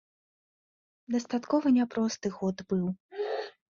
Дастаткова няпросты год быў.